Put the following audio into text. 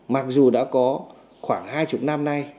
mặc dù đã có khoảng hai mươi năm nay